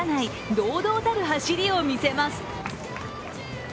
堂々たる走りを見せます。